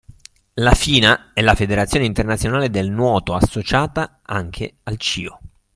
La FINA è la federazione internazionale del nuoto, associata anche al CIO.